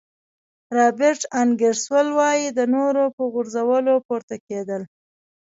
رابرټ انګیرسول وایي د نورو په غورځولو پورته کېدل.